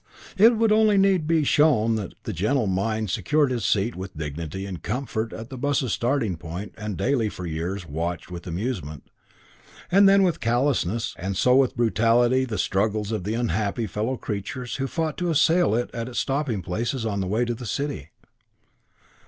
It would only need to be shown that the gentle mind secured his seat with dignity and comfort at the bus's starting point and daily for years watched with amusement, and then with callousness and so with brutality the struggles of the unhappy fellow creatures who fought to assail it at its stopping places on the way to the City.